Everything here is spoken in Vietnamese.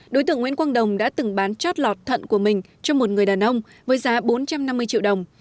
đối tượng nguyễn quang đồng đã từng bán chót lọt thận của mình cho một người đàn ông với giá bốn trăm năm mươi triệu đồng